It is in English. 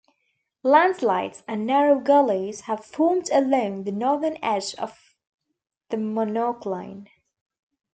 Landslides and narrow gullies have formed along the northern edge of the monocline.